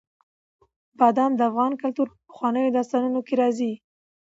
بادام د افغان کلتور په پخوانیو داستانونو کې راځي.